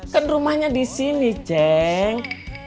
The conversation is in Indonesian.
kan rumahnya di sini ceng